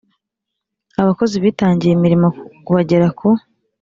Abakozi bitangiye imirimo bagera ku